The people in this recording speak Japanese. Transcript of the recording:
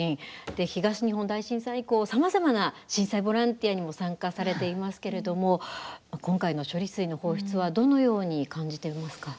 東日本大震災以降さまざまな震災ボランティアにも参加されていますけれども今回の処理水の放出はどのように感じていますか？